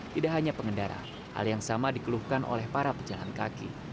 tidak hanya pengendara hal yang sama dikeluhkan oleh para pejalan kaki